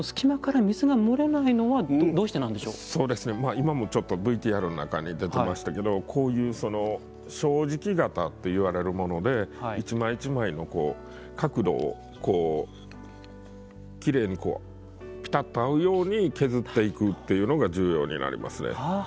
今もちょっとＶＴＲの中に出てましたけどこういう正直型っていわれるもので一枚一枚の角度をきれいにこうピタッと合うように削っていくっていうのが重要になりますね。